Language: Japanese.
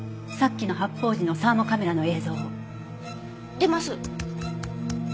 出ます。